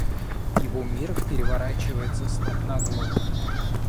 Его мир переворачивается с ног на голову